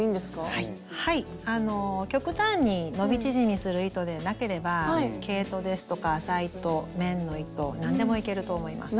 はい極端に伸び縮みする糸でなければ毛糸ですとか麻糸綿の糸何でもいけると思います。